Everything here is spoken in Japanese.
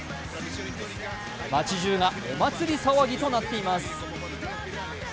街中がお祭り騒ぎとなっています。